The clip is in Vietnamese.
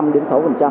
năm đến sáu